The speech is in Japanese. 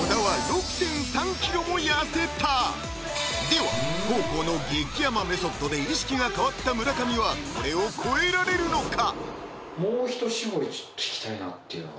では黄皓の激甘メソッドで意識が変わった村上はこれを超えられるのか？